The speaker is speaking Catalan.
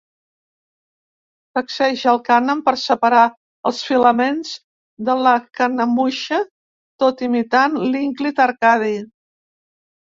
Sacseja el cànem per separar els filaments de la canemuixa tot imitant l'ínclit Arcadi.